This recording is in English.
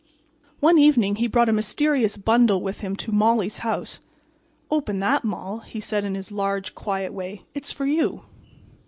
One evening he brought a mysterious bundle with him to Molly's house. "Open that, Moll!" he said in his large, quiet way. "It's for you."